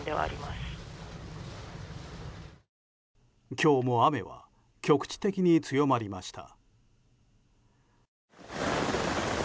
今日も雨は局地的に強まりました。